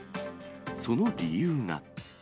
その理由が。